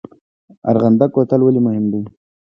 ارغنده کوتل ولې مهم دی؟